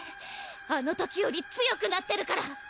あの時より強くなってるから。